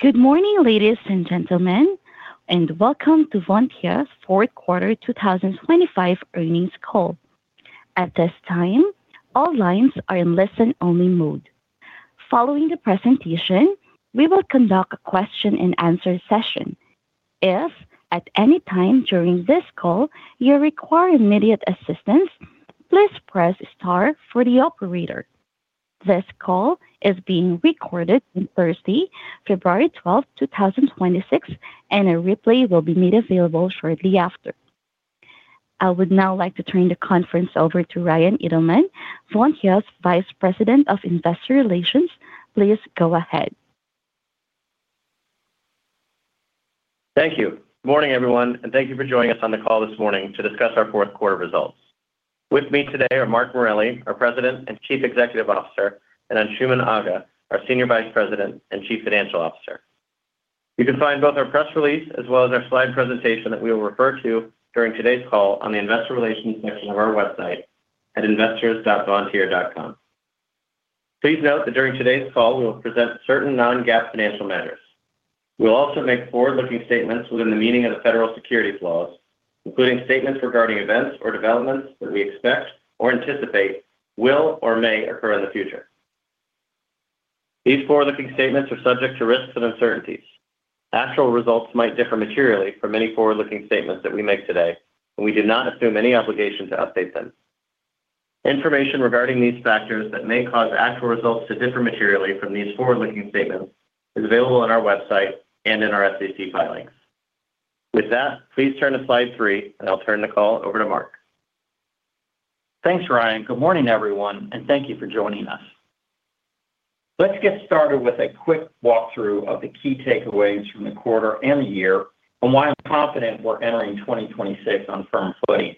Good morning, ladies and gentlemen, and welcome to Vontier fourth quarter 2025 earnings call. At this time, all lines are in listen-only mode. Following the presentation, we will conduct a question-and-answer session. If at any time during this call you require immediate assistance, please press star for the operator. This call is being recorded on Thursday, February 12, 2026, and a replay will be made available shortly after. I would now like to turn the conference over to Ryan Edelman, Vontier's Vice President of Investor Relations. Please go ahead. Thank you. Morning, everyone, and thank you for joining us on the call this morning to discuss our fourth quarter results. With me today are Mark Morelli, our President and Chief Executive Officer, and Anshooman Aga, our Senior Vice President and Chief Financial Officer. You can find both our press release as well as our slide presentation that we will refer to during today's call on the investor relations section of our website at investors.vontier.com. Please note that during today's call, we will present certain non-GAAP financial measures. We will also make forward-looking statements within the meaning of the federal securities laws, including statements regarding events or developments that we expect or anticipate will or may occur in the future. These forward-looking statements are subject to risks and uncertainties. Actual results might differ materially from any forward-looking statements that we make today, and we do not assume any obligation to update them. Information regarding these factors that may cause actual results to differ materially from these forward-looking statements is available on our website and in our SEC filings. With that, please turn to slide three, and I'll turn the call over to Mark. Thanks, Ryan. Good morning, everyone, and thank you for joining us. Let's get started with a quick walkthrough of the key takeaways from the quarter and the year, and why I'm confident we're entering 2026 on firm footing.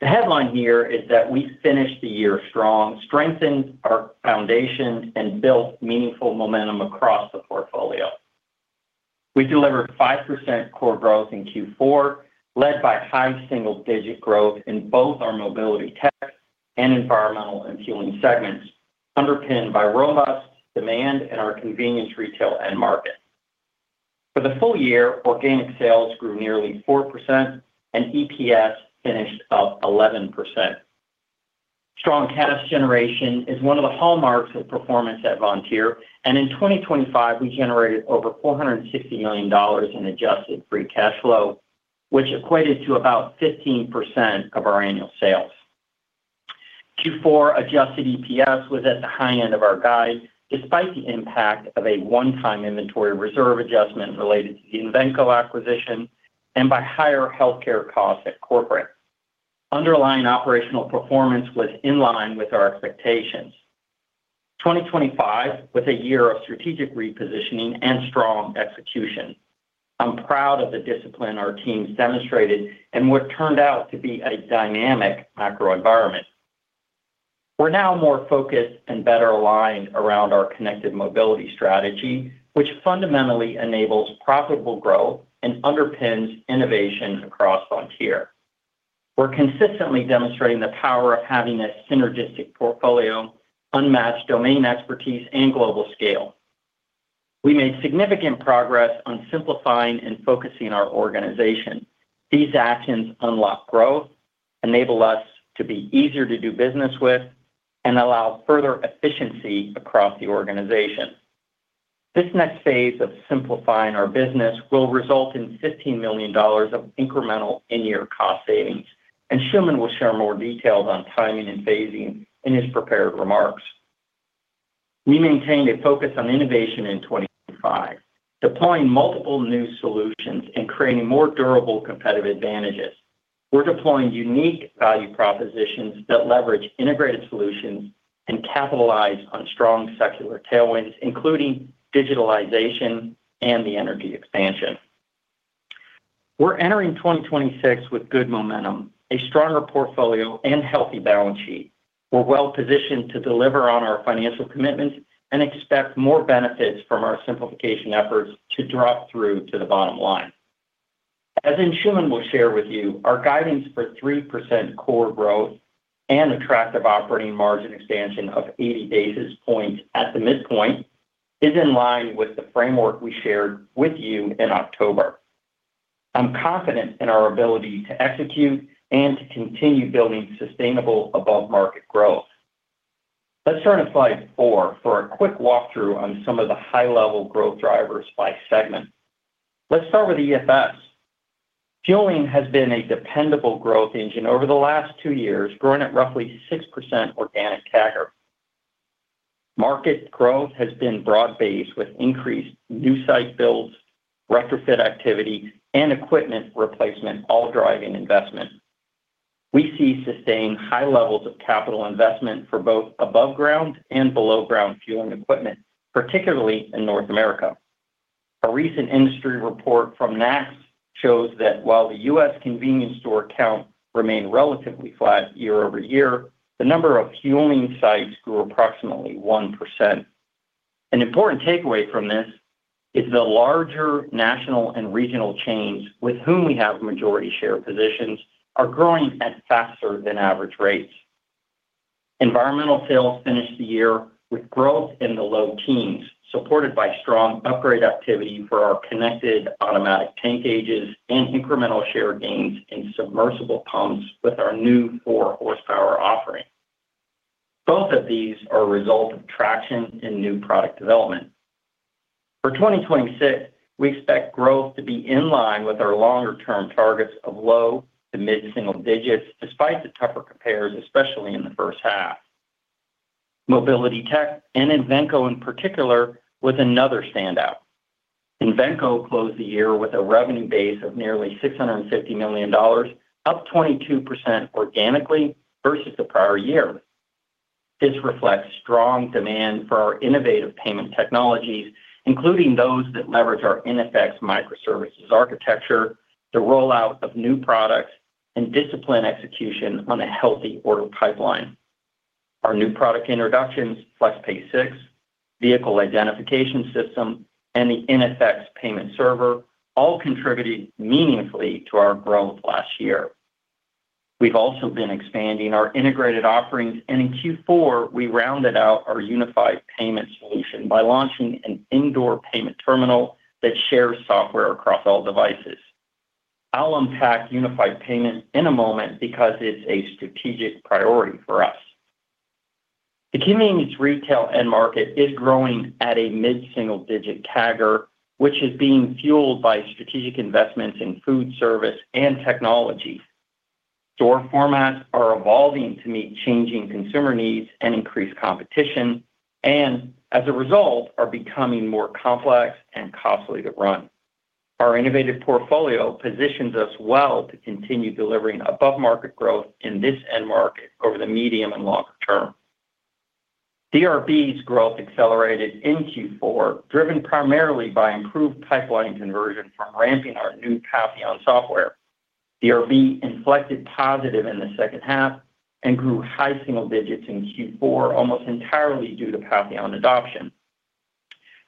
The headline here is that we finished the year strong, strengthened our foundation, and built meaningful momentum across the portfolio. We delivered 5% core growth in Q4, led by high single-digit growth in both our Mobility Tech, and Environmental and Fueling segments, underpinned by robust demand in our convenience retail end market. For the full year, organic sales grew nearly 4% and EPS finished up 11%. Strong cash generation is one of the hallmarks of performance at Vontier, and in 2025, we generated over $460 million in adjusted free cash flow, which equated to about 15% of our annual sales. Q4 adjusted EPS was at the high end of our guide, despite the impact of a one-time inventory reserve adjustment related to the Invenco acquisition and by higher healthcare costs at corporate. Underlying operational performance was in line with our expectations. 2025 was a year of strategic repositioning and strong execution. I'm proud of the discipline our teams demonstrated and what turned out to be a dynamic macro environment. We're now more focused and better aligned around our connected mobility strategy, which fundamentally enables profitable growth and underpins innovation across Vontier. We're consistently demonstrating the power of having a synergistic portfolio, unmatched domain expertise, and global scale. We made significant progress on simplifying and focusing our organization. These actions unlock growth, enable us to be easier to do business with, and allow further efficiency across the organization. This next phase of simplifying our business will result in $15 million of incremental in-year cost savings, and Anshooman will share more details on timing and phasing in his prepared remarks. We maintained a focus on innovation in 2025, deploying multiple new solutions and creating more durable competitive advantages. We're deploying unique value propositions that leverage integrated solutions and capitalize on strong secular tailwinds, including digitalization and the energy expansion. We're entering 2026 with good momentum, a stronger portfolio, and healthy balance sheet. We're well-positioned to deliver on our financial commitments and expect more benefits from our simplification efforts to drop through to the bottom line. As Anshooman will share with you, our guidance for 3% core growth and attractive operating margin expansion of 80 basis points at the midpoint is in line with the framework we shared with you in October. I'm confident in our ability to execute and to continue building sustainable above-market growth. Let's turn to slide 4 for a quick walkthrough on some of the high-level growth drivers by segment. Let's start with EFS. Fueling has been a dependable growth engine over the last 2 years, growing at roughly 6% organic CAGR. Market growth has been broad-based, with increased new site builds, retrofit activity, and equipment replacement, all driving investment. We see sustained high levels of capital investment for both above ground and below ground fueling equipment, particularly in North America. A recent industry report from NACS shows that while the U.S. convenience store count remained relatively flat year-over-year, the number of fueling sites grew approximately 1%. An important takeaway from this is the larger national and regional chains with whom we have majority share positions are growing at faster than average rates.... Environmental sales finished the year with growth in the low teens, supported by strong upgrade activity for our connected automatic tank gauges and incremental share gains in submersible pumps with our new 4-horsepower offering. Both of these are a result of traction in new product development. For 2026, we expect growth to be in line with our longer-term targets of low- to mid-single digits, despite the tougher compares, especially in the first half. Mobility tech and Invenco in particular, was another standout. Invenco closed the year with a revenue base of nearly $650 million, up 22% organically versus the prior year. This reflects strong demand for our innovative payment technologies, including those that leverage our iNFX microservices architecture, the rollout of new products, and discipline execution on a healthy order pipeline. Our new product introductions, FlexPay 6, Vehicle Identification System, and the iNFX payment server, all contributed meaningfully to our growth last year. We've also been expanding our integrated offerings, and in Q4, we rounded out our unified payment solution by launching an indoor payment terminal that shares software across all devices. I'll unpack unified payment in a moment because it's a strategic priority for us. The convenience retail end market is growing at a mid-single-digit CAGR, which is being fueled by strategic investments in food service and technology. Store formats are evolving to meet changing consumer needs and increased competition, and as a result, are becoming more complex and costly to run. Our innovative portfolio positions us well to continue delivering above-market growth in this end market over the medium and longer term. DRB's growth accelerated in Q4, driven primarily by improved pipeline conversion from ramping our new Patheon software. DRB inflected positive in the second half and grew high single digits in Q4, almost entirely due to Patheon adoption.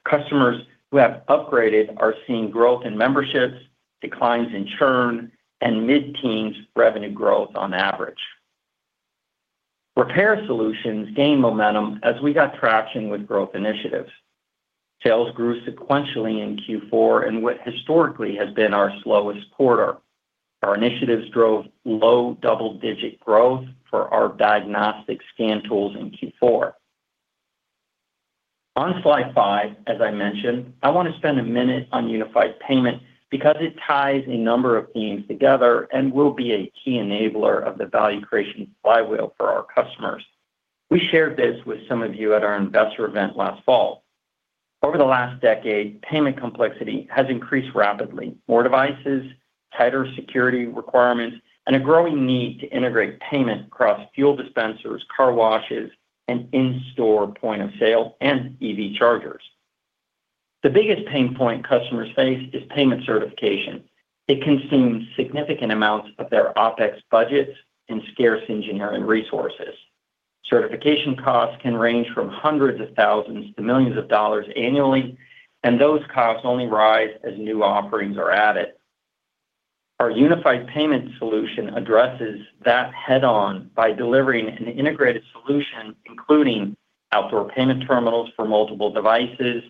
Customers who have upgraded are seeing growth in memberships, declines in churn, and mid-teens revenue growth on average. Repair Solutions gained momentum as we got traction with growth initiatives. Sales grew sequentially in Q4, and what historically has been our slowest quarter. Our initiatives drove low double-digit growth for our diagnostic scan tools in Q4. On slide 5, as I mentioned, I want to spend a minute on unified payment because it ties a number of themes together and will be a key enabler of the value creation flywheel for our customers. We shared this with some of you at our investor event last fall. Over the last decade, payment complexity has increased rapidly. More devices, tighter security requirements, and a growing need to integrate payment across fuel dispensers, car washes, and in-store point-of-sale, and EV chargers. The biggest pain point customers face is payment certification. It consumes significant amounts of their OpEx budgets and scarce engineering resources. Certification costs can range from hundreds of thousands to millions annually, and those costs only rise as new offerings are added. Our unified payment solution addresses that head-on by delivering an integrated solution, including outdoor payment terminals for multiple devices,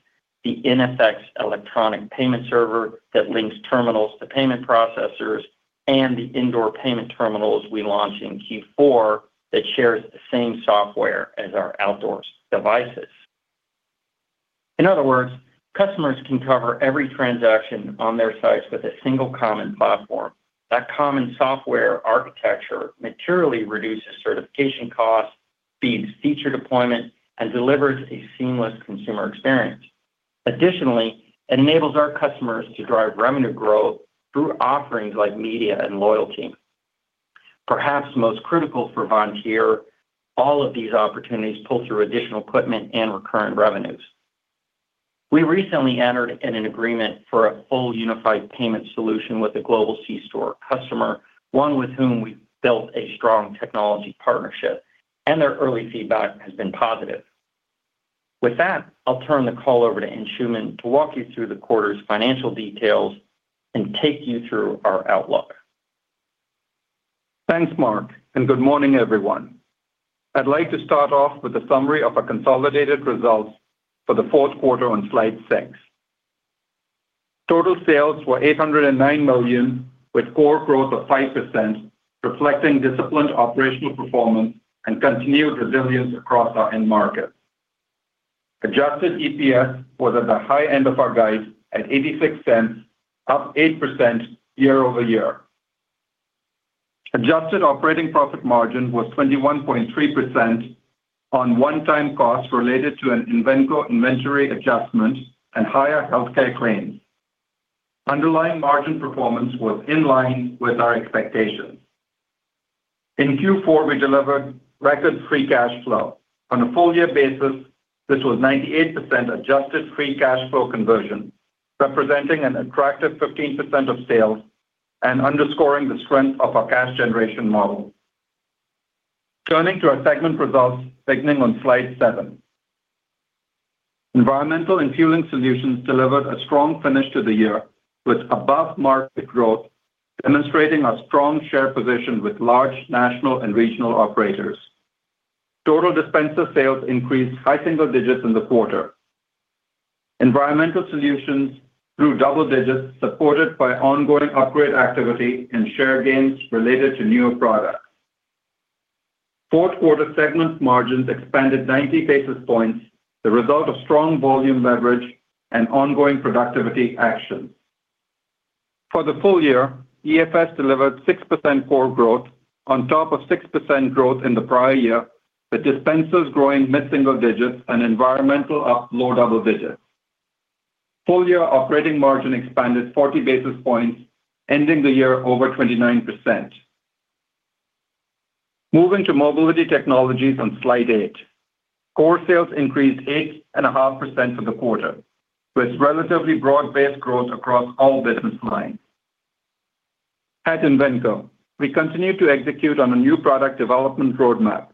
the iNFX electronic payment server that links terminals to payment processors, and the indoor payment terminals we launched in Q4 that shares the same software as our outdoor devices. In other words, customers can cover every transaction on their sites with a single common platform. That common software architecture materially reduces certification costs, speeds feature deployment, and delivers a seamless consumer experience. Additionally, it enables our customers to drive revenue growth through offerings like media and loyalty. Perhaps most critical for Vontier here, all of these opportunities pull through additional equipment and recurrent revenues. We recently entered in an agreement for a full unified payment solution with a global C-store customer, one with whom we've built a strong technology partnership, and their early feedback has been positive. With that, I'll turn the call over to Anshooman Aga to walk you through the quarter's financial details and take you through our outlook. Thanks, Mark, and good morning, everyone. I'd like to start off with a summary of our consolidated results for the fourth quarter on slide 6. Total sales were $809 million, with core growth of 5%, reflecting disciplined operational performance and continued resilience across our end markets. Adjusted EPS was at the high end of our guide at $0.86, up 8% year-over-year. Adjusted operating profit margin was 21.3% on one-time costs related to an Invenco inventory adjustment and higher healthcare claims. Underlying margin performance was in line with our expectations. In Q4, we delivered record free cash flow. On a full year basis, this was 98% adjusted free cash flow conversion, representing an attractive 15% of sales and underscoring the strength of our cash generation model. Turning to our segment results, beginning on slide 7.... Environmental and Fueling Solutions delivered a strong finish to the year, with above-market growth, demonstrating our strong share position with large national and regional operators. Total dispenser sales increased high single digits in the quarter. Environmental Solutions grew double digits, supported by ongoing upgrade activity and share gains related to newer products. Fourth quarter segment margins expanded 90 basis points, the result of strong volume leverage and ongoing productivity actions. For the full year, EFS delivered 6% core growth on top of 6% growth in the prior year, with dispensers growing mid-single digits and environmental up low double digits. Full-year operating margin expanded 40 basis points, ending the year over 29%. Moving to Mobility Technologies on slide 8. Core sales increased 8.5% for the quarter, with relatively broad-based growth across all business lines. At Invenco, we continue to execute on a new product development roadmap,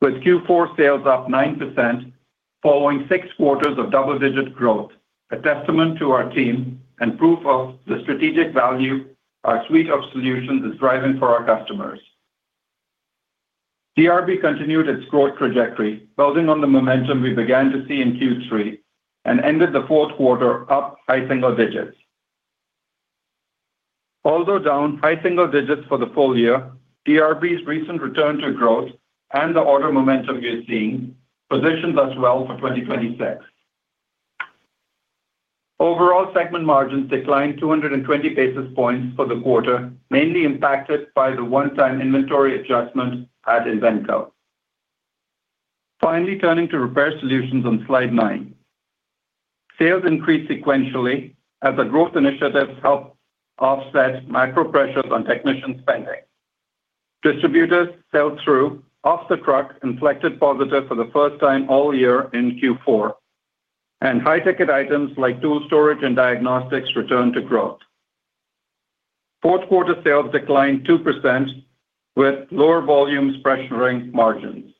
with Q4 sales up 9%, following six quarters of double-digit growth, a testament to our team and proof of the strategic value our suite of solutions is driving for our customers. DRB continued its growth trajectory, building on the momentum we began to see in Q3, and ended the fourth quarter up high single digits. Although down high single digits for the full year, DRB's recent return to growth and the order momentum we are seeing positions us well for 2026. Overall segment margins declined 200 basis points for the quarter, mainly impacted by the one-time inventory adjustment at Invenco. Finally, turning to Repair Solutions on slide 9. Sales increased sequentially as the growth initiatives helped offset macro pressures on technician spending. Distributors sell through off the truck inflected positive for the first time all year in Q4, and high-ticket items like tool storage and diagnostics returned to growth. Fourth quarter sales declined 2%, with lower volumes pressuring margins.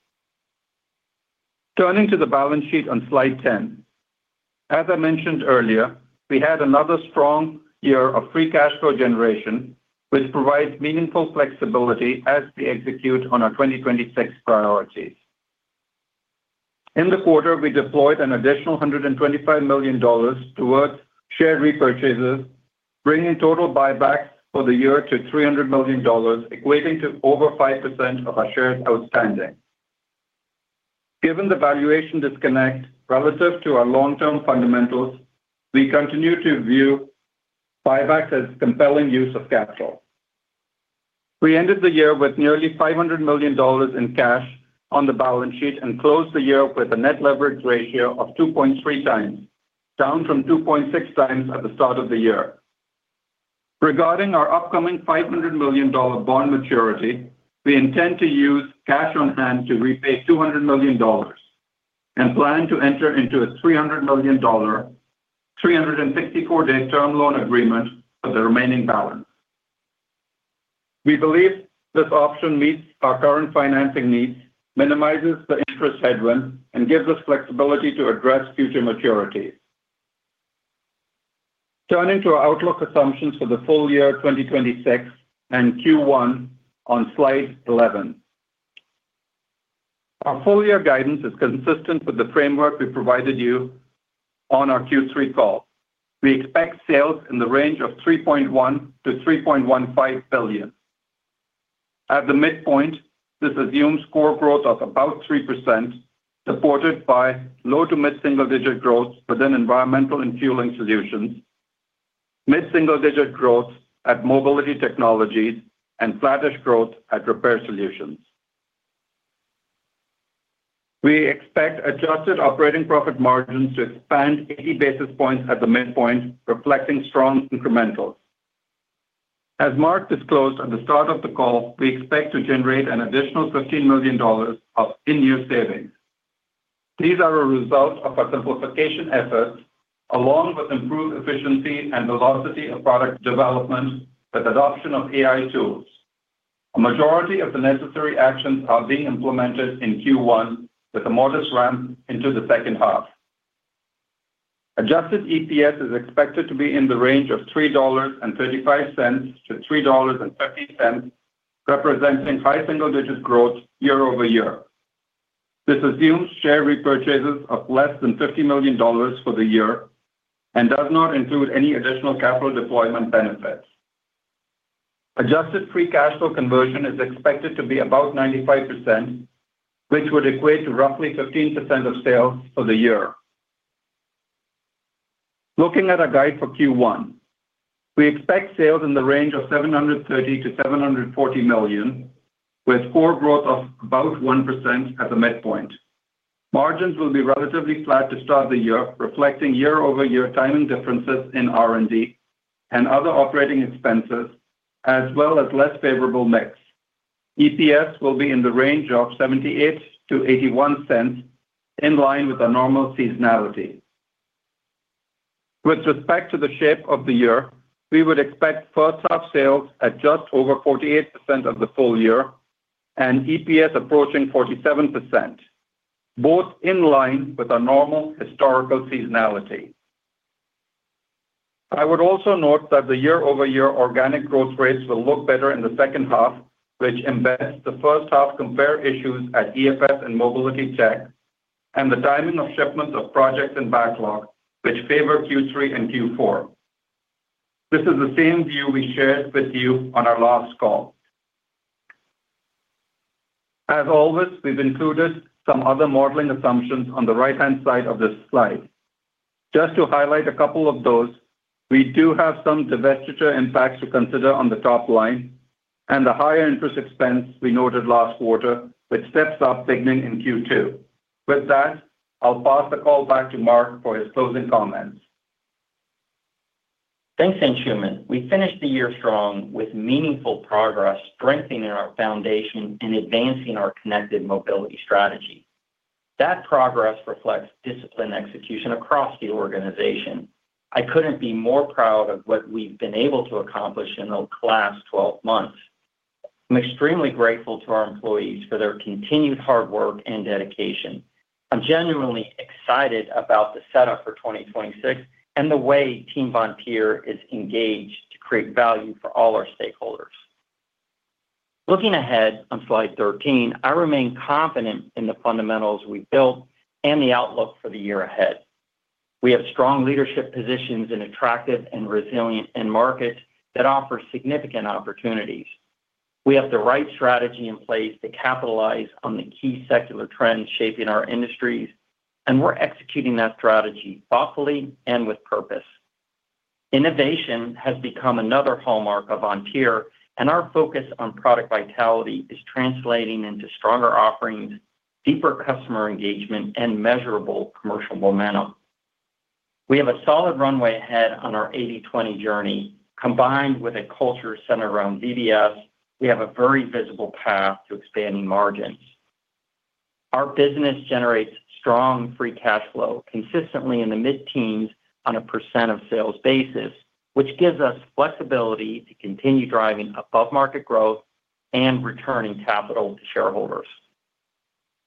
Turning to the balance sheet on slide 10. As I mentioned earlier, we had another strong year of free cash flow generation, which provides meaningful flexibility as we execute on our 2026 priorities. In the quarter, we deployed an additional $125 million towards share repurchases, bringing total buybacks for the year to $300 million, equating to over 5% of our shares outstanding. Given the valuation disconnect relative to our long-term fundamentals, we continue to view buybacks as compelling use of capital. We ended the year with nearly $500 million in cash on the balance sheet and closed the year with a net leverage ratio of 2.3 times, down from 2.6 times at the start of the year. Regarding our upcoming $500 million bond maturity, we intend to use cash on hand to repay $200 million and plan to enter into a $300 million, 364-day term loan agreement for the remaining balance. We believe this option meets our current financing needs, minimizes the interest headwind, and gives us flexibility to address future maturities. Turning to our outlook assumptions for the full year 2026 and Q1 on slide 11. Our full-year guidance is consistent with the framework we provided you on our Q3 call. We expect sales in the range of $3.1 billion-$3.15 billion. At the midpoint, this assumes core growth of about 3%, supported by low to mid single-digit Environmental and Fueling Solutions, mid single-digit growth at Mobility Technologies, and flattish growth at Repair Solutions. We expect adjusted operating profit margins to expand 80 basis points at the midpoint, reflecting strong incrementals. As Mark disclosed at the start of the call, we expect to generate an additional $15 million of in-year savings. These are a result of our simplification efforts, along with improved efficiency and velocity of product development with adoption of AI tools. A majority of the necessary actions are being implemented in Q1, with a modest ramp into the second half. Adjusted EPS is expected to be in the range of $3.35-$3.30, representing high single-digit growth year-over-year. This assumes share repurchases of less than $50 million for the year and does not include any additional capital deployment benefits. Adjusted free cash flow conversion is expected to be about 95%, which would equate to roughly 15% of sales for the year. Looking at our guide for Q1, we expect sales in the range of $730 million-$740 million, with core growth of about 1% at the midpoint. Margins will be relatively flat to start the year, reflecting year-over-year timing differences in R&D and other operating expenses, as well as less favorable mix. EPS will be in the range of $0.78-$0.81, in line with our normal seasonality. With respect to the shape of the year, we would expect first half sales at just over 48% of the full year and EPS approaching 47%, both in line with our normal historical seasonality. I would also note that the year-over-year organic growth rates will look better in the second half, which embeds the first half compare issues at EFS and Mobility Tech, and the timing of shipments of projects and backlog, which favor Q3 and Q4. This is the same view we shared with you on our last call. As always, we've included some other modeling assumptions on the right-hand side of this slide. Just to highlight a couple of those, we do have some divestiture impacts to consider on the top line and the higher interest expense we noted last quarter, which steps up significantly in Q2. With that, I'll pass the call back to Mark for his closing comments. Thanks, Anshooman. We finished the year strong with meaningful progress, strengthening our foundation and advancing our connected mobility strategy. That progress reflects disciplined execution across the organization. I couldn't be more proud of what we've been able to accomplish in the last 12 months. I'm extremely grateful to our employees for their continued hard work and dedication. I'm genuinely excited about the setup for 2026 and the way Team Vontier is engaged to create value for all our stakeholders. Looking ahead on slide 13, I remain confident in the fundamentals we've built and the outlook for the year ahead. We have strong leadership positions and attractive and resilient end markets that offer significant opportunities. We have the right strategy in place to capitalize on the key secular trends shaping our industries, and we're executing that strategy thoughtfully and with purpose. Innovation has become another hallmark of Vontier, and our focus on product vitality is translating into stronger offerings, deeper customer engagement, and measurable commercial momentum. We have a solid runway ahead on our 80/20 journey. Combined with a culture centered around VBS, we have a very visible path to expanding margins. Our business generates strong free cash flow, consistently in the mid-teens on a % of sales basis, which gives us flexibility to continue driving above-market growth and returning capital to shareholders.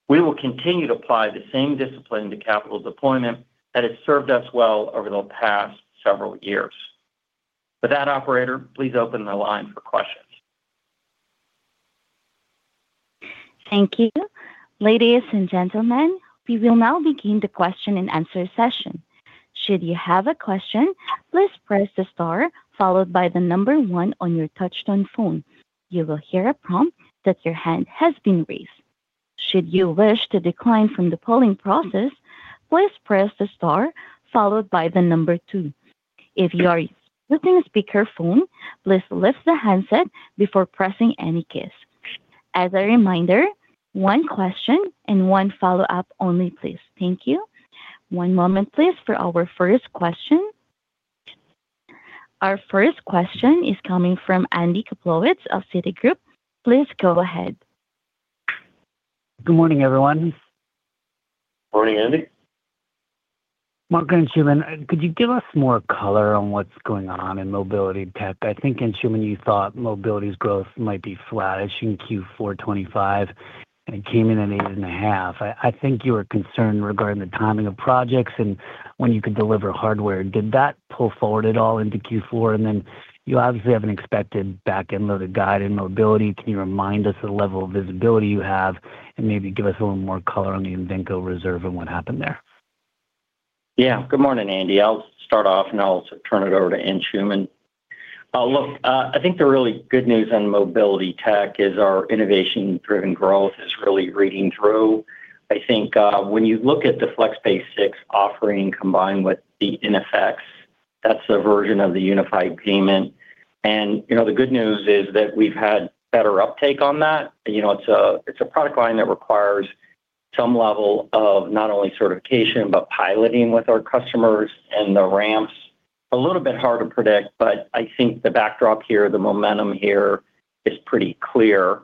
We will continue to apply the same discipline to capital deployment that has served us well over the past several years. With that, operator, please open the line for questions. Thank you. Ladies and gentlemen, we will now begin the question-and-answer session. Should you have a question, please press the star followed by the number one on your touch-tone phone. You will hear a prompt that your hand has been raised. Should you wish to decline from the polling process, please press the star followed by the number two. If you are using a speakerphone, please lift the handset before pressing any keys. As a reminder, one question and one follow-up only, please. Thank you. One moment, please, for our first question. Our first question is coming from Andy Kaplowitz of Citigroup. Please go ahead. Good morning, everyone. Morning, Andy. Mark and Anshooman, could you give us more color on what's going on in Mobility Tech? I think, Anshooman, you thought Mobility's growth might be flattish in Q4 2025, and it came in at 8.5. I think you were concerned regarding the timing of projects and when you could deliver hardware. Did that pull forward at all into Q4? And then you obviously have an expected back-end loaded guide in Mobility. Can you remind us the level of visibility you have, and maybe give us a little more color on the Invenco reserve and what happened there? Yeah. Good morning, Andy. I'll start off, and I'll turn it over to Anshooman. Look, I think the really good news on Mobility Tech is our innovation-driven growth is really reading through. I think, when you look at the FlexPay 6 offering, combined with the iNFX, that's a version of the unified payment. And, you know, the good news is that we've had better uptake on that. You know, it's a, it's a product line that requires some level of not only certification but piloting with our customers and the ramps. A little bit hard to predict, but I think the backdrop here, the momentum here is pretty clear.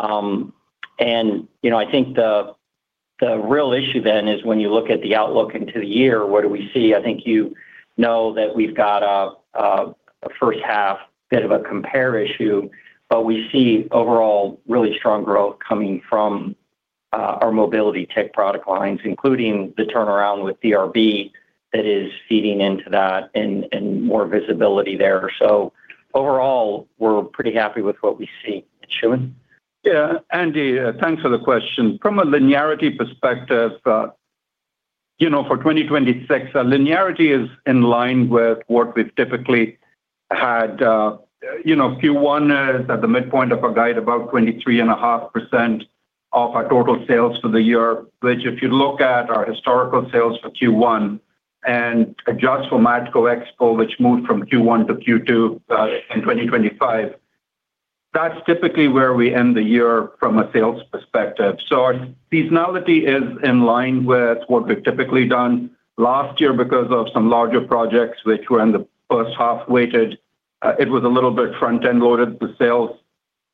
And, you know, I think the, the real issue then is when you look at the outlook into the year, what do we see? I think you know that we've got a first half bit of a compare issue, but we see overall really strong growth coming from our Mobility Tech product lines, including the turnaround with DRB that is feeding into that and more visibility there. So overall, we're pretty happy with what we see. Anshooman? Yeah, Andy, thanks for the question. From a linearity perspective, you know, for 2026, our linearity is in line with what we've typically had. You know, Q1 is at the midpoint of our guide, about 23.5% of our total sales for the year, which, if you look at our historical sales for Q1 and adjust for Matco Expo, which moved from Q1 to Q2 in 2025, that's typically where we end the year from a sales perspective. So our seasonality is in line with what we've typically done. Last year, because of some larger projects which were in the first half weighted, it was a little bit front-end loaded. The sales-...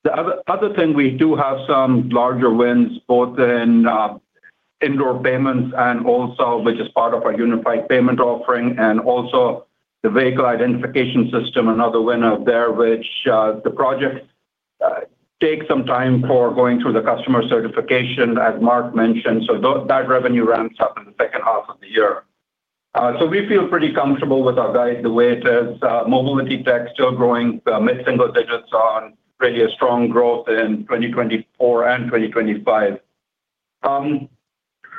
The other, other thing, we do have some larger wins, both in, indoor payments and also which is part of our unified payment offering, and also the Vehicle Identification System, another winner there, which, the project, takes some time for going through the customer certification, as Mark mentioned. So that revenue ramps up in the second half of the year. So we feel pretty comfortable with our guide, the way it is. Mobility tech still growing, mid-single digits on really a strong growth in 2024 and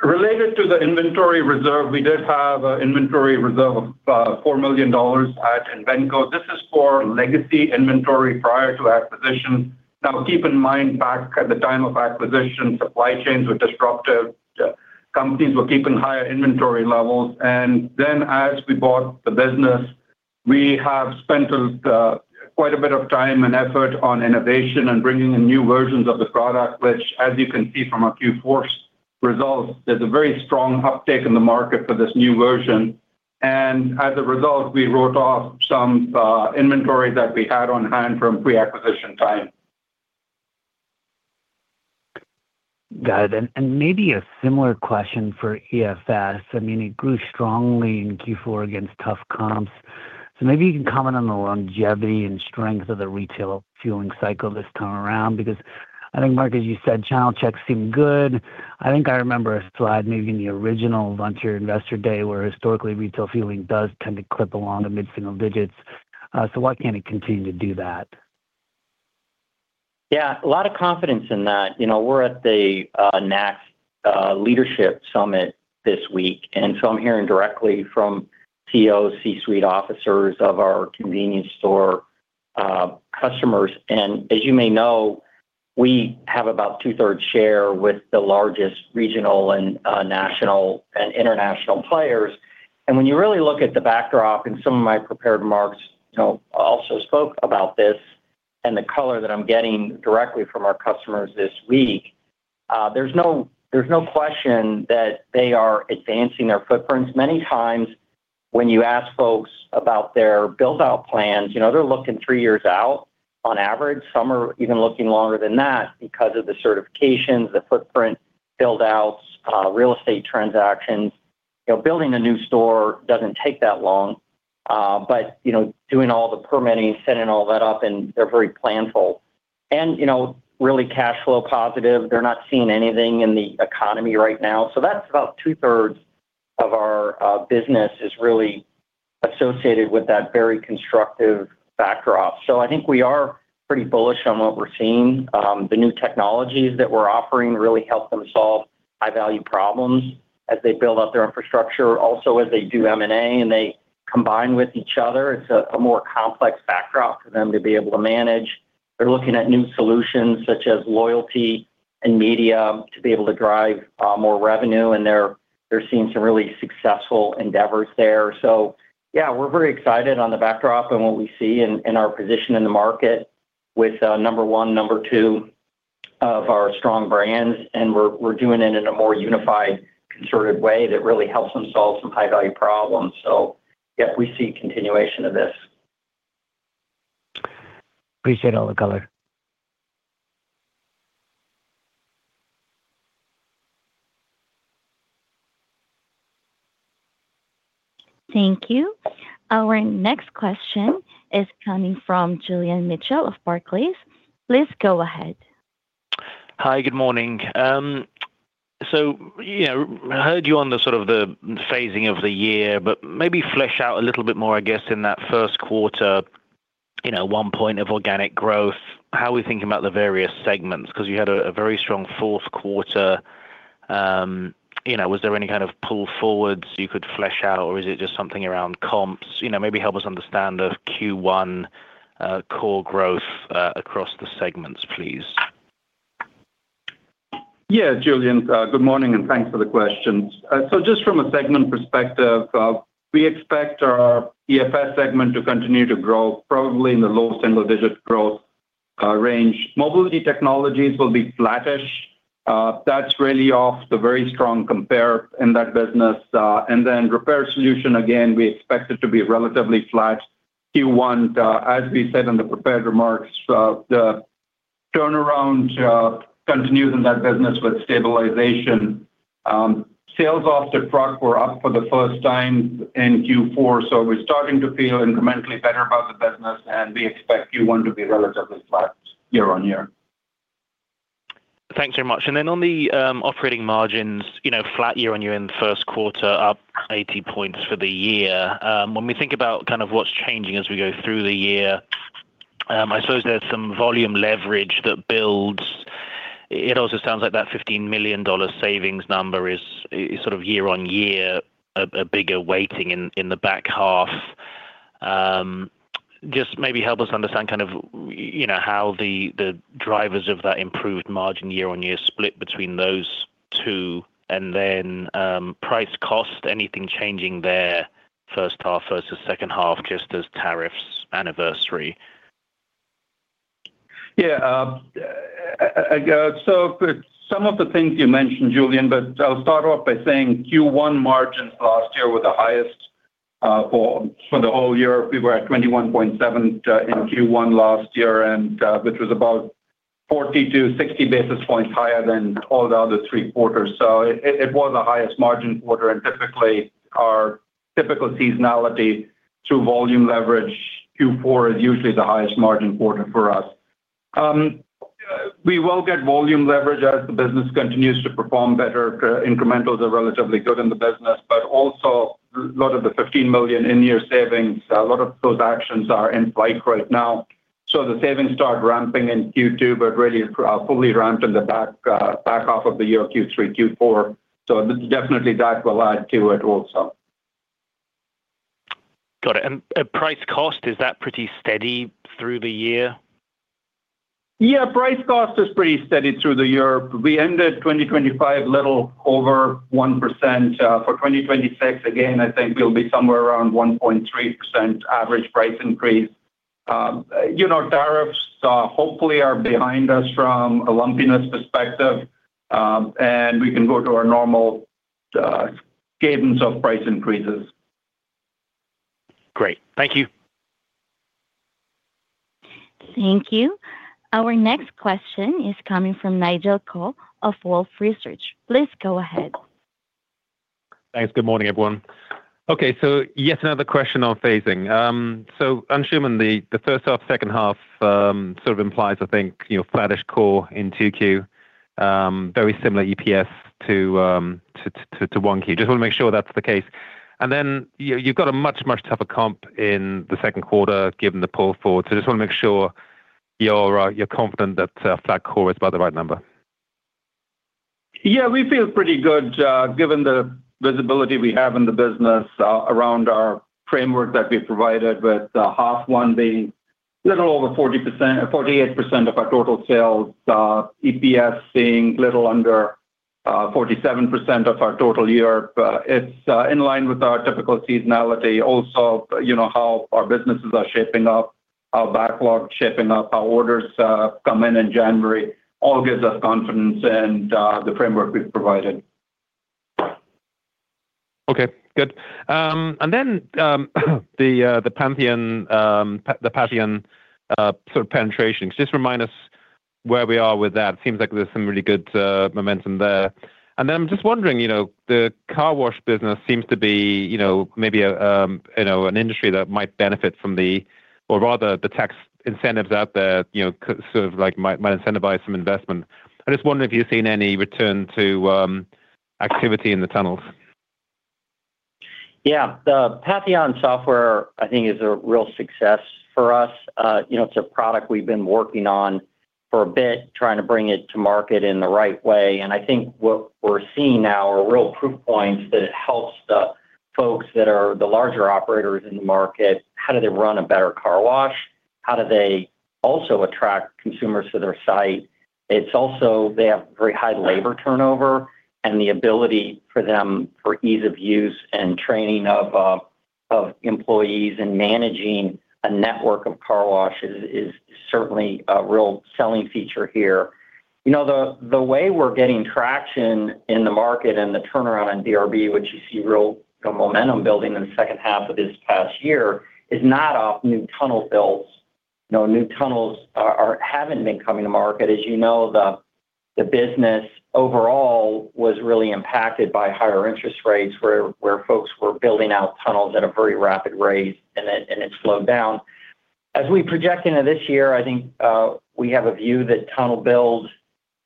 2025. Related to the inventory reserve, we did have an inventory reserve of, $4 million at Invenco. This is for legacy inventory prior to acquisition. Now, keep in mind, back at the time of acquisition, supply chains were disruptive, companies were keeping higher inventory levels. And then as we bought the business, we have spent quite a bit of time and effort on innovation and bringing in new versions of the product, which, as you can see from our Q4 results, there's a very strong uptake in the market for this new version. And as a result, we wrote off some inventory that we had on hand from pre-acquisition time. Got it. And, and maybe a similar question for EFS. I mean, it grew strongly in Q4 against tough comps. So maybe you can comment on the longevity and strength of the retail fueling cycle this time around, because I think, Mark, as you said, channel checks seem good. I think I remember a slide, maybe in the original Vontier Investor Day, where historically, retail fueling does tend to clip along the mid-single digits. So why can't it continue to do that? Yeah, a lot of confidence in that. You know, we're at the NACS Leadership Summit this week, and so I'm hearing directly from CEO, C-suite officers of our convenience store customers. And as you may know, we have about two-thirds share with the largest regional and national and international players. And when you really look at the backdrop, and some of my prepared remarks, you know, also spoke about this and the color that I'm getting directly from our customers this week, there's no, there's no question that they are advancing their footprints. Many times, when you ask folks about their build-out plans, you know, they're looking three years out on average. Some are even looking longer than that because of the certifications, the footprint, build-outs, real estate transactions. You know, building a new store doesn't take that long, but, you know, doing all the permitting, setting all that up, and they're very planful. And, you know, really cash flow positive. They're not seeing anything in the economy right now. So that's about two-thirds of our business is really associated with that very constructive backdrop. So I think we are pretty bullish on what we're seeing. The new technologies that we're offering really help them solve high-value problems as they build out their infrastructure. Also, as they do M&A, and they combine with each other, it's a more complex backdrop for them to be able to manage. They're looking at new solutions, such as loyalty and media, to be able to drive more revenue, and they're seeing some really successful endeavors there. So yeah, we're very excited on the backdrop and what we see in our position in the market with number one, number two of our strong brands, and we're doing it in a more unified, concerted way that really helps them solve some high-value problems. So yep, we see continuation of this. Appreciate all the color. Thank you. Our next question is coming from Julian Mitchell of Barclays. Please go ahead. Hi, good morning. So, you know, I heard you on the sort of the phasing of the year, but maybe flesh out a little bit more, I guess, in that first quarter, you know, 1 point of organic growth. How are we thinking about the various segments? Because you had a very strong fourth quarter. You know, was there any kind of pull forwards you could flesh out, or is it just something around comps? You know, maybe help us understand the Q1 core growth across the segments, please. Yeah, Julian, good morning, and thanks for the question. So just from a segment perspective, we expect our EFS segment to continue to grow, probably in the low single-digit growth range. Mobility technologies will be flattish. That's really off the very strong compare in that business. And then Repair Solutions, again, we expect it to be relatively flat. Q1, as we said in the prepared remarks, the turnaround continues in that business with stabilization. Sales off the truck were up for the first time in Q4, so we're starting to feel incrementally better about the business, and we expect Q1 to be relatively flat year-on-year. Thanks very much. And then on the operating margins, you know, flat year-on-year in the first quarter, up 80 points for the year. When we think about kind of what's changing as we go through the year, I suppose there's some volume leverage that builds. It also sounds like that $15 million savings number is, is sort of year-on-year, a, a bigger weighting in, in the back half. Just maybe help us understand kind of, you know, how the, the drivers of that improved margin year-on-year split between those two, and then, price cost, anything changing there, first half versus second half, just as tariffs anniversary? Yeah, so some of the things you mentioned, Julian, but I'll start off by saying Q1 margins last year were the highest for the whole year, we were at 21.7% in Q1 last year, and which was about 40-60 basis points higher than all the other three quarters. So it was the highest margin quarter, and typically, our typical seasonality through volume leverage, Q4 is usually the highest margin quarter for us. We will get volume leverage as the business continues to perform better. Incrementals are relatively good in the business, but also a lot of the $15 million in-year savings. A lot of those actions are in flight right now, so the savings start ramping in Q2, but really, fully ramped in the back half of the year, Q3, Q4. So definitely that will add to it also. Got it. And, price cost, is that pretty steady through the year? Yeah, price cost is pretty steady through the year. We ended 2025, little over 1%. For 2026, again, I think we'll be somewhere around 1.3% average price increase. You know, tariffs, hopefully are behind us from a lumpiness perspective, and we can go to our normal, cadence of price increases. Great. Thank you. Thank you. Our next question is coming from Nigel Coe of Wolfe Research. Please go ahead. Thanks. Good morning, everyone. Okay, so yet another question on phasing. So I'm assuming the first half, second half sort of implies, I think, you know, flattish core in 2Q, very similar EPS to 1Q. Just wanna make sure that's the case. And then you've got a much, much tougher comp in the second quarter, given the pull forward. So just wanna make sure you're confident that flat core is about the right number. Yeah, we feel pretty good, given the visibility we have in the business, around our framework that we provided, with half one being little over 40%—48% of our total sales, EPS being little under 47% of our total year. But it's in line with our typical seasonality. Also, you know, how our businesses are shaping up, our backlog shaping up, our orders come in in January, all gives us confidence and the framework we've provided. Okay, good. And then, the Patheon, sort of penetration. Just remind us where we are with that. It seems like there's some really good, momentum there. And then I'm just wondering, you know, the car wash business seems to be, you know, maybe a, you know, an industry that might benefit from the... or rather the tax incentives out there, you know, sort of like, might incentivize some investment. I just wonder if you've seen any return to, activity in the tunnels. Yeah. The Patheon software, I think, is a real success for us. You know, it's a product we've been working on for a bit, trying to bring it to market in the right way, and I think what we're seeing now are real proof points that it helps the folks that are the larger operators in the market. How do they run a better car wash? How do they also attract consumers to their site? It's also, they have very high labor turnover, and the ability for them for ease of use and training of employees and managing a network of car washes is certainly a real selling feature here. You know, the way we're getting traction in the market and the turnaround in DRB, which you see real momentum building in the second half of this past year, is not off new tunnel builds. No, new tunnels haven't been coming to market. As you know, the business overall was really impacted by higher interest rates, where folks were building out tunnels at a very rapid rate, and then it slowed down. As we project into this year, I think we have a view that tunnel build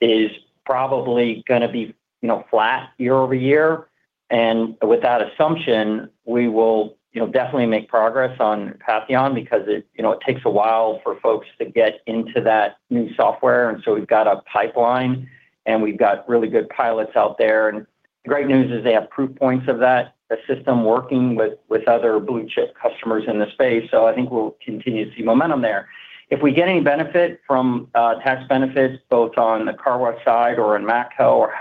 is probably gonna be, you know, flat year-over-year. And with that assumption, we will, you know, definitely make progress on Patheon because it, you know, it takes a while for folks to get into that new software. And so we've got a pipeline, and we've got really good pilots out there. And the great news is they have proof points of that, the system working with other blue-chip customers in the space. So I think we'll continue to see momentum there. If we get any benefit from tax benefits, both on the car wash side or in Matco, or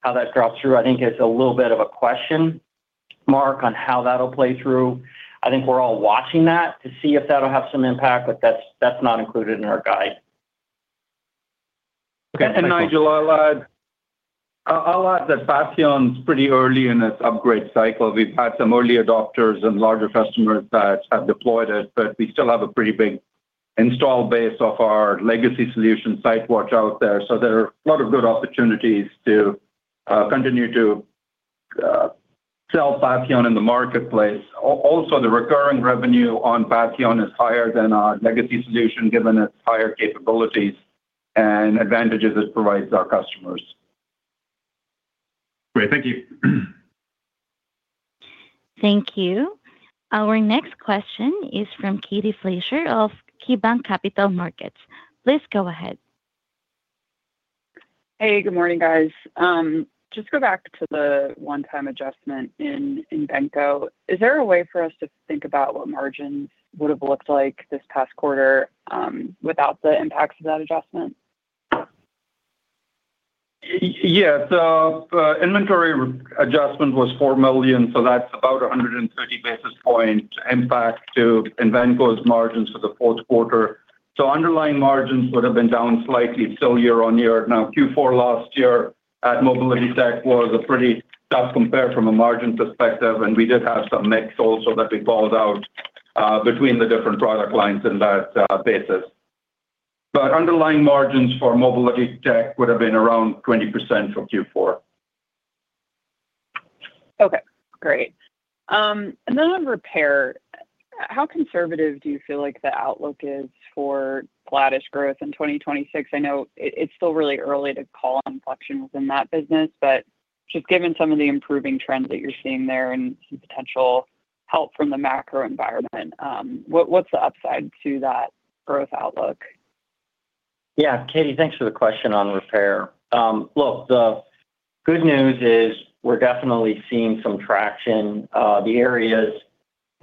how that drops through, I think it's a little bit of a question mark on how that'll play through. I think we're all watching that to see if that'll have some impact, but that's not included in our guide. Okay, and Nigel, I'll add, I'll add that Patheon's pretty early in its upgrade cycle. We've had some early adopters and larger customers that have deployed it, but we still have a pretty big install base of our legacy solution, SiteWatch, out there. So there are a lot of good opportunities to continue to sell Patheon in the marketplace. Also, the recurring revenue on Patheon is higher than our legacy solution, given its higher capabilities and advantages it provides our customers. Great. Thank you. Thank you. Our next question is from Katie Fleischer of KeyBanc Capital Markets. Please go ahead. Hey, good morning, guys. Just go back to the one-time adjustment in Invenco. Is there a way for us to think about what margins would have looked like this past quarter without the impacts of that adjustment? Yes, the inventory adjustment was $4 million, so that's about 130 basis point impact to Invenco's margins for the fourth quarter. So underlying margins would have been down slightly, so year-on-year. Now, Q4 last year at Mobility Tech was a pretty tough compare from a margin perspective, and we did have some mix also that we called out between the different product lines in that basis. But underlying margins for Mobility Tech would have been around 20% for Q4. Okay, great. And then on repair, how conservative do you feel like the outlook is for guidance growth in 2026? I know it, it's still really early to call on collections in that business, but just given some of the improving trends that you're seeing there and some potential help from the macro environment, what, what's the upside to that growth outlook? Yeah, Katie, thanks for the question on repair. Look, the good news is we're definitely seeing some traction. The areas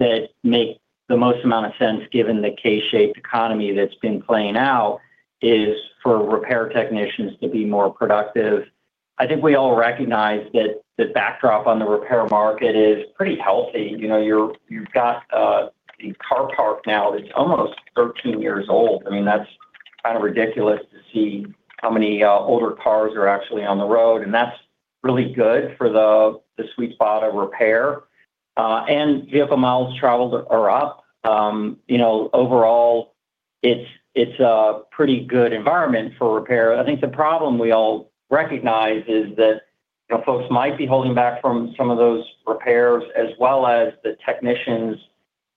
that make the most amount of sense, given the K-shaped economy that's been playing out, is for repair technicians to be more productive. I think we all recognize that the backdrop on the repair market is pretty healthy. You know, you've got a car park now that's almost 13 years old. I mean, that's kind of ridiculous to see how many older cars are actually on the road, and that's really good for the sweet spot of repair. And vehicle miles traveled are up. You know, overall, it's a pretty good environment for repair. I think the problem we all recognize is that, you know, folks might be holding back from some of those repairs, as well as the technicians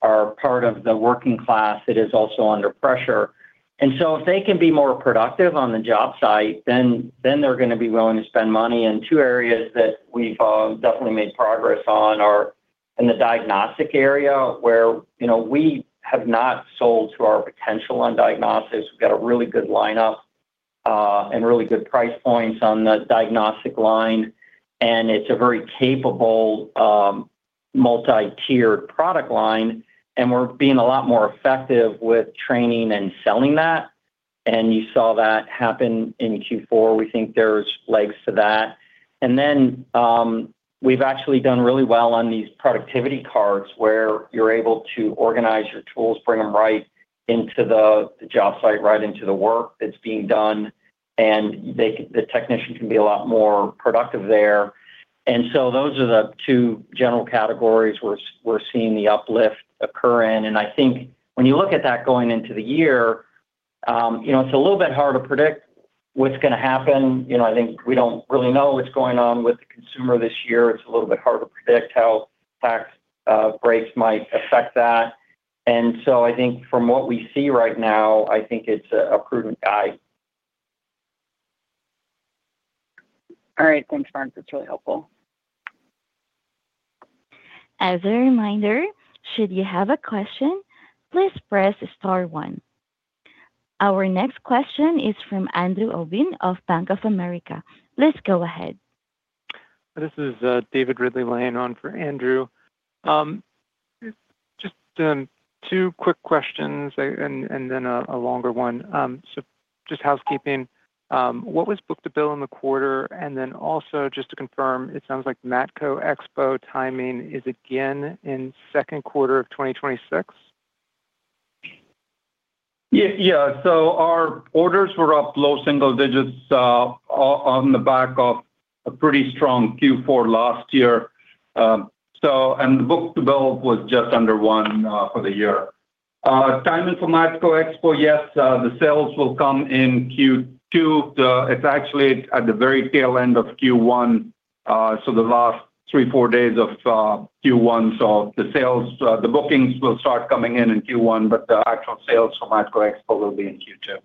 are part of the working class that is also under pressure. And so if they can be more productive on the job site, then they're gonna be willing to spend money in two areas that we've definitely made progress on are in the diagnostic area, where, you know, we have not sold to our potential on diagnostics. We've got a really good lineup and really good price points on the diagnostic line, and it's a very capable multi-tiered product line, and we're being a lot more effective with training and selling that. And you saw that happen in Q4. We think there's legs to that. And then, we've actually done really well on these productivity cards, where you're able to organize your tools, bring them right into the job site, right into the work that's being done, and they-- the technician can be a lot more productive there. And so those are the two general categories we're seeing the uplift occur in. And I think when you look at that going into the year, you know, it's a little bit hard to predict what's gonna happen. You know, I think we don't really know what's going on with the consumer this year. It's a little bit hard to predict how tax breaks might affect that. And so I think from what we see right now, I think it's a prudent guide. All right. Thanks, Mark. That's really helpful. As a reminder, should you have a question, please press star one. Our next question is from Andrew Obin of Bank of America. Let's go ahead. This is David Ridley-Lane calling in for Andrew. Just two quick questions and then a longer one. So just housekeeping, what was book-to-bill in the quarter? And then also, just to confirm, it sounds like Matco Expo timing is again in second quarter of 2026? Yeah, yeah. So our orders were up low single digits on the back of a pretty strong Q4 last year. So, and the Book-to-Bill was just under one for the year. Timing for Matco Expo, yes, the sales will come in Q2. It's actually at the very tail end of Q1, so the last three, four days of Q1. So the sales, the bookings will start coming in Q1, but the actual sales for Matco Expo will be in Q2.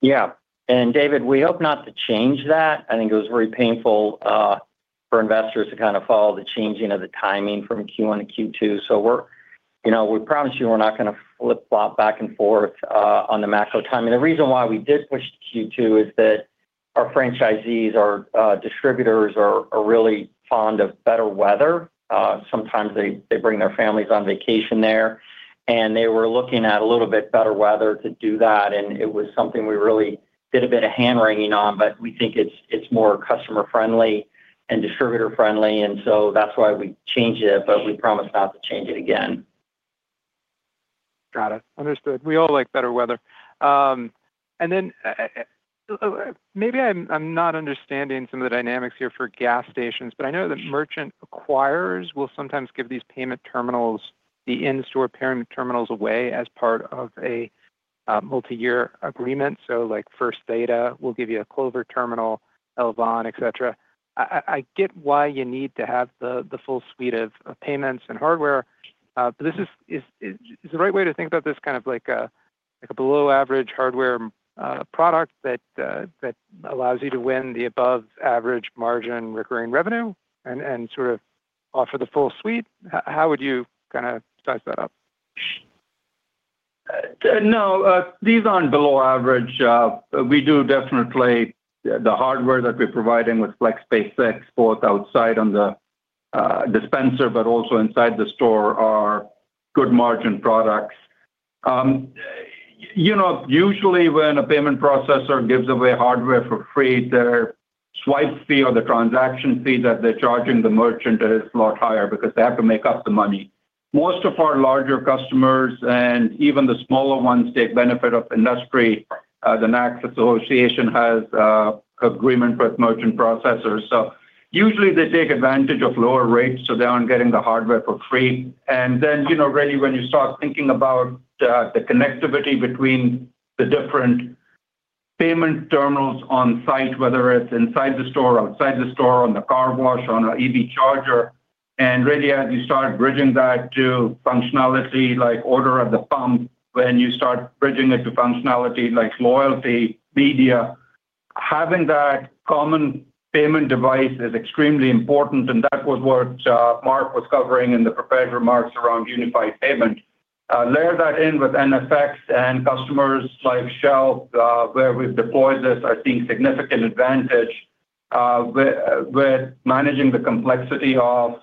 Yeah, and David, we hope not to change that. I think it was very painful for investors to kind of follow the changing of the timing from Q1 to Q2. So we're, you know, we promise you we're not gonna flip-flop back and forth on the Matco timing. The reason why we did push to Q2 is that our franchisees, our distributors are really fond of better weather. Sometimes they bring their families on vacation there, and they were looking at a little bit better weather to do that, and it was something we really did a bit of hand-wringing on, but we think it's more customer-friendly and distributor-friendly, and so that's why we changed it, but we promise not to change it again. Got it. Understood. We all like better weather. And then, maybe I'm not understanding some of the dynamics here for gas stations, but I know that merchant acquirers will sometimes give these payment terminals, the in-store payment terminals away as part of a multiyear agreement. So, like, First Data will give you a Clover Terminal, Elavon, et cetera. I get why you need to have the full suite of payments and hardware, but this is the right way to think about this, kind of like a below average hardware product that allows you to win the above-average margin recurring revenue and sort of offer the full suite? How would you kinda size that up? No, these aren't below average. We do definitely. The hardware that we're providing with FlexPay 6, both outside on the dispenser, but also inside the store, are good margin products. You know, usually, when a payment processor gives away hardware for free, their swipe fee or the transaction fee that they're charging the merchant is a lot higher because they have to make up the money. Most of our larger customers, and even the smaller ones, take benefit of industry. The NACS Association has agreement with merchant processors. So usually they take advantage of lower rates, so they aren't getting the hardware for free. And then, you know, really, when you start thinking about the, the connectivity between the different payment terminals on site, whether it's inside the store, outside the store, on the car wash, on a EV charger, and really, as you start bridging that to functionality, like order at the pump, when you start bridging it to functionality like loyalty, media, having that common payment device is extremely important, and that was what, Mark was covering in the prepared remarks around unified payment. Layer that in with iNFX and customers like Shell, where we've deployed this, are seeing significant advantage, with, with managing the complexity of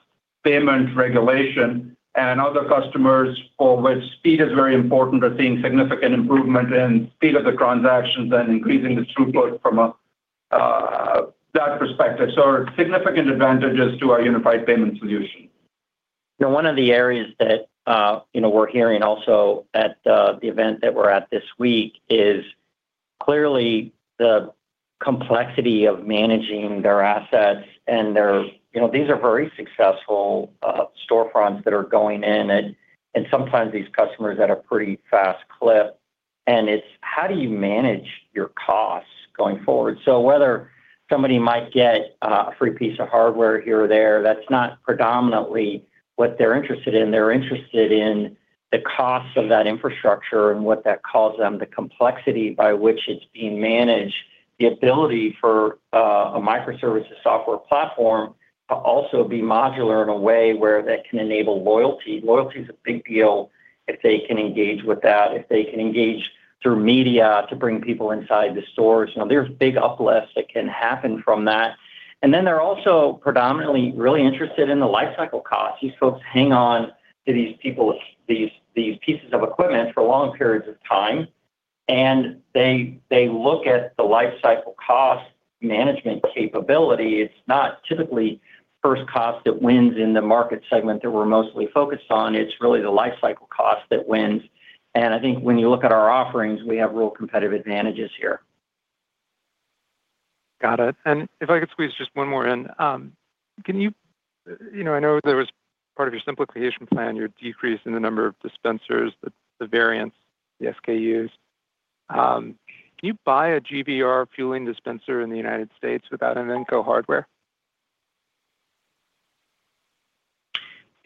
payment regulation, and other customers for which speed is very important, are seeing significant improvement in speed of the transactions and increasing the throughput from a, that perspective. So significant advantages to our unified payment solution. You know, one of the areas that, you know, we're hearing also at the event that we're at this week is clearly the complexity of managing their assets and their. You know, these are very successful storefronts that are going in and sometimes these customers at a pretty fast clip, and it's how do you manage your costs going forward? So whether somebody might get a free piece of hardware here or there, that's not predominantly what they're interested in. They're interested in the cost of that infrastructure and what that costs them, the complexity by which it's being managed, the ability for a microservice software platform to also be modular in a way where that can enable loyalty. Loyalty is a big deal if they can engage with that, if they can engage through media to bring people inside the stores. You know, there's big uplifts that can happen from that. And then they're also predominantly really interested in the lifecycle costs. These folks hang on to these pieces of equipment for long periods of time, and they look at the lifecycle cost management capability. It's not typically first cost that wins in the market segment that we're mostly focused on. It's really the lifecycle cost that wins. And I think when you look at our offerings, we have real competitive advantages here. Got it. And if I could squeeze just one more in, can you... You know, I know there was part of your simplification plan, your decrease in the number of dispensers, the variance, the SKUs. Can you buy a GVR fueling dispenser in the United States without Invenco hardware?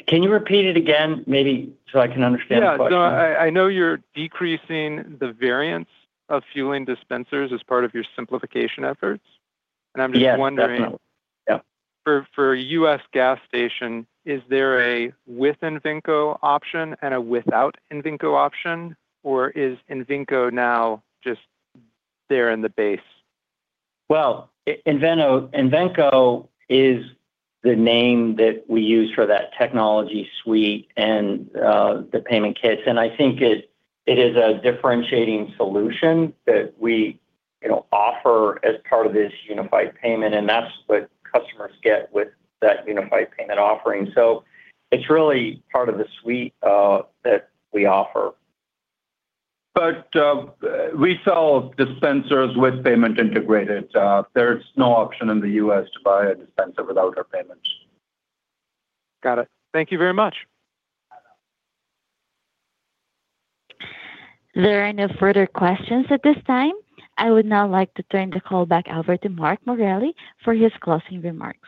Can you repeat it again, maybe, so I can understand the question? Yeah. So I know you're decreasing the variance of fueling dispensers as part of your simplification efforts, and I'm just wondering- Yes, definitely. Yep. For a U.S. gas station, is there a with Invenco option and a without Invenco option, or is Invenco now just there in the base? Well, Invenco is the name that we use for that technology suite and the payment kits, and I think it is a differentiating solution that we, you know, offer as part of this unified payment, and that's what customers get with that unified payment offering. So it's really part of the suite that we offer. We sell dispensers with payment integrated. There's no option in the U.S. to buy a dispenser without our payment. Got it. Thank you very much. There are no further questions at this time. I would now like to turn the call back over to Mark Morelli for his closing remarks.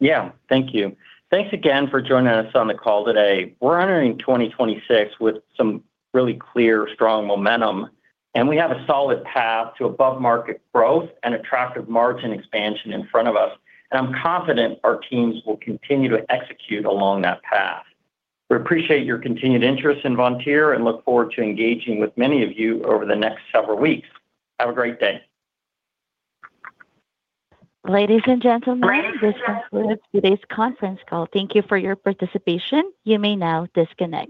Yeah, thank you. Thanks again for joining us on the call today. We're entering 2026 with some really clear, strong momentum, and we have a solid path to above-market growth and attractive margin expansion in front of us, and I'm confident our teams will continue to execute along that path. We appreciate your continued interest in Vontier and look forward to engaging with many of you over the next several weeks. Have a great day. Ladies and gentlemen, this concludes today's conference call. Thank you for your participation. You may now disconnect.